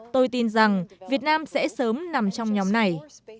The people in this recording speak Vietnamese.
tôi tin rằng việt nam sẽ sớm nằm trong nhóm này